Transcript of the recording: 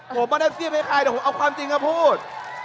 ผมไม่ได้เสียบให้ใครแต่ผมเอาความจริงมาพูด